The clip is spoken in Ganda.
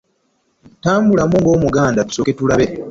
Tambulamu ng'omuganda tusooke tulabe.